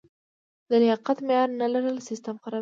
د لیاقت معیار نه لرل سیستم خرابوي.